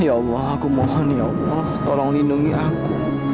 ya allah aku mohon ya allah tolong lindungi aku